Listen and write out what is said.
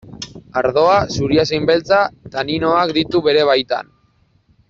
Ardoa, zuria zein beltza, taninoak ditu bere baitan.